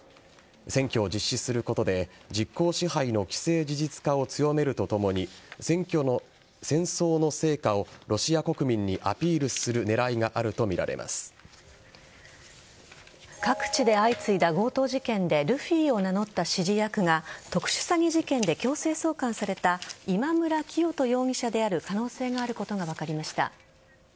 選挙を実施することで実効支配の既成事実化を強めるとともに戦争の成果をロシア国民にアピールする狙いがあると各地で相次いだ強盗事件でルフィを名乗った指示役が特殊詐欺事件で強制送還された今村磨人容疑者である可能性があることが分かりました。